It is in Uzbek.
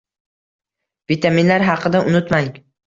Vitaminlar haqida unutmang.